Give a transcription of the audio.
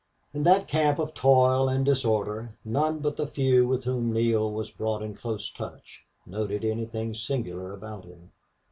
In that camp of toil and disorder none but the few with whom Neale was brought in close touch noted anything singular about him.